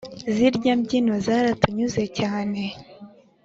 zirya mbyino zaratunyuze cyane